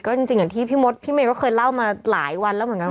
จริงอย่างที่พี่มดพี่เมย์ก็เคยเล่ามาหลายวันแล้วเหมือนกัน